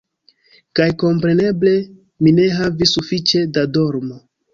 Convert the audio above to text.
Kaj kompreneble, mi ne havis sufiĉe da dormo.